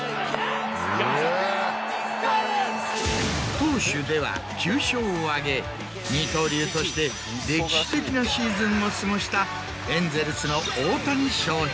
投手では９勝を挙げ二刀流として歴史的なシーズンを過ごしたエンゼルスの。